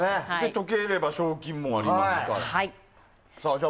解ければ賞金もありますから。